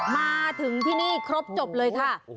มาถึงที่นี่ครบจบเลยค่ะ